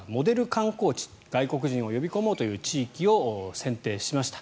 観光地外国人を呼び込もうという地域を選定しました。